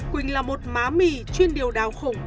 quỳnh là một má mì chuyên điều đào khủng